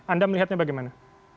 anda melihatnya bagaimana